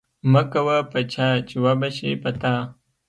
مکوه په چا چې وبه شي په تا.